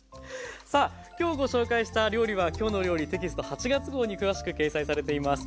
さあ今日ご紹介した料理は「きょうの料理」テキスト８月号に詳しく掲載されています。